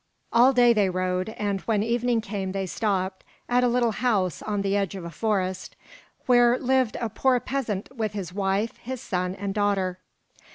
All day they rode; and when evening came they stopped at a little house on the edge of a forest, where lived a poor peasant with his wife, his son, and daughter.